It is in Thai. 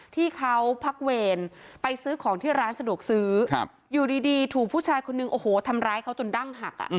ที่เขาพักเวรไปซื้อของที่ร้านสะดวกซื้ออยู่ดีถูกผู้ชายคนนึงโอ้โหทำร้ายเขาจนดั้งหัก